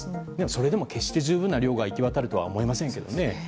それでも決して、十分な量が行き渡るとは思えませんけどね。